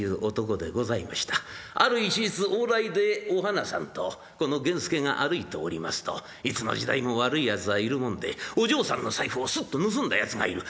ある一日往来でお花さんとこの源助が歩いておりますといつの時代も悪いやつはいるもんでお嬢さんの財布をスッと盗んだやつがいる。